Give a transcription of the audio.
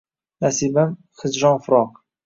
Nasibam hijron-firoq